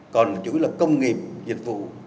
còn chủ yếu là công nghiệp dịch vụ